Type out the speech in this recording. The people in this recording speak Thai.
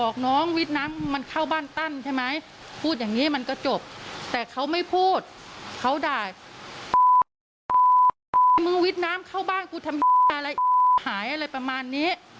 คิดน้ำเข้าบ้านกูทำหายอะไรประมาณนี้